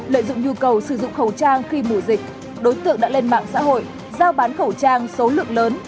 lợi dụng nhu cầu sử dụng khẩu trang khi mùa dịch đối tượng đã lên mạng xã hội giao bán khẩu trang số lượng lớn